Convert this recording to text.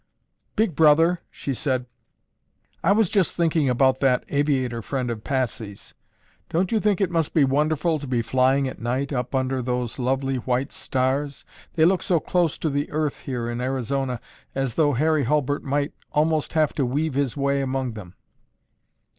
"Big Brother," she said, "I was just thinking about that aviator friend of Patsy's. Don't you think it must be wonderful to be flying at night up under those lovely white stars? They look so close to the earth here in Arizona as though Harry Hulbert might almost have to weave his way among them."